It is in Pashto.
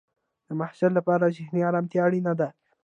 د محصل لپاره ذهنی ارامتیا اړینه ده.